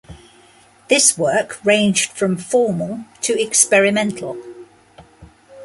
This work ranged from formal to experimental.